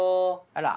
あら。